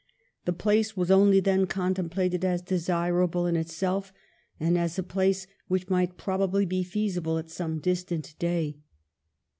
The place was only then contemplated as desirable in itself, and as a place which might probably be feasible at some distant day.